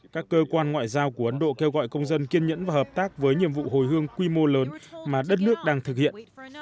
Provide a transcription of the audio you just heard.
các cơ quan ngoại giao của ấn độ kêu gọi công dân kiên nhẫn và hợp tác với nhiệm vụ hồi hương quy mô lớn mà đất nước đang thực hiện